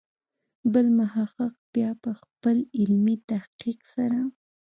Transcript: بل محقق بیا په خپل علمي تحقیق سره.